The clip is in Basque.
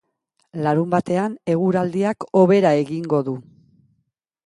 Larunbatean eguraldiak hobera egingo du.